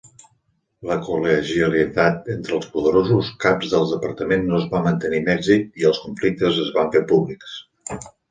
La col·legialitat entre els poderosos caps de departament no es va mantenir amb èxit i els conflictes es van fer públics.